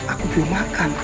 aku belum makan